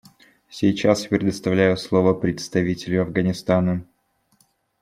Сейчас я предоставляю слово представителю Афганистана.